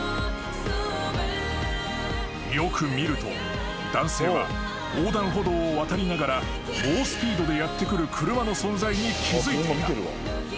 ［よく見ると男性は横断歩道を渡りながら猛スピードでやって来る車の存在に気付いていた］